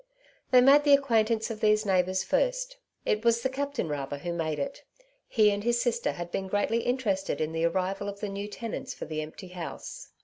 They made the acquaintance of these neighbours first. It was the captain rather who made it \ he and his sister had been greatly interested in the arrival of the new tenants for the empty house.